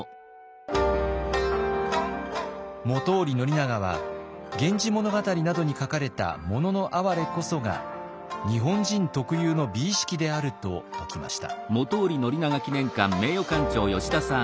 本居宣長は「源氏物語」などに書かれた「もののあはれ」こそが日本人特有の美意識であると説きました。